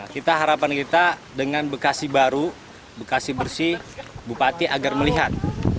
kita harapan kita dengan bekasi baru bekasi bersih bupati agar melihat